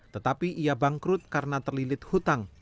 tetapi ia bangkrut karena terlilit hutang